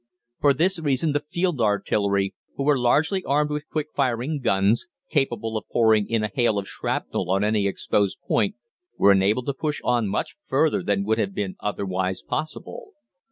For this reason the field artillery, who were largely armed with quick firing guns, capable of pouring in a hail of shrapnel on any exposed point, were enabled to push on much further than would have been otherwise possible.